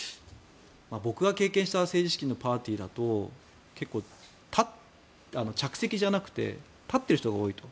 僕が経験した政治資金のパーティーだと結構、着席じゃなくて立っている人が多いと。